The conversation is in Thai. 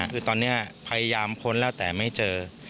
คือตอนนี้พยายามค้นแล้วแต่ไม่เจอ